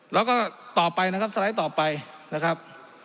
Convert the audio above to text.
จากต่อไปได้นะครับต่อไปนะครับ